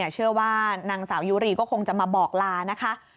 เชื่อว่านางสาวยุรีก็คงจะมาบอกลานะคะ